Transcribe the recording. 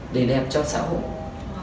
để đẹp cho xã hội